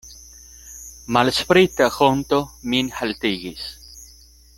Malsprita honto min haltigis.